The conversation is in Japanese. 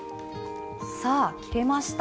さあ切れました。